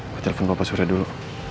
gue telepon papa surya dulu